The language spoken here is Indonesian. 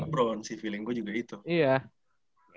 lebron sih feeling gue juga itu